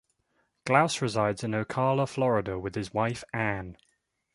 Glaus resides in Ocala, Florida, with his wife, Ann.